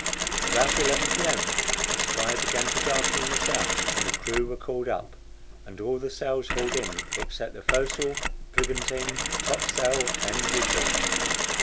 About 11 P. M. the sky began to darken in the south, and the crew were called up, and all the sails hauled in, except the foresail, brigantine, top sail, and jib boom.